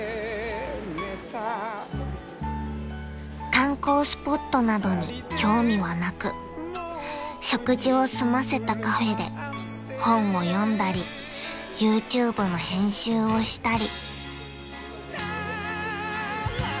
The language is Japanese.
［観光スポットなどに興味はなく食事を済ませたカフェで本を読んだりＹｏｕＴｕｂｅの編集をしたり］